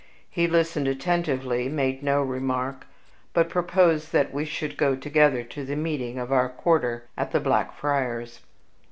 He listened attentively, made no remark, but proposed that we should go together to the meeting of our quarter at the Black Friars.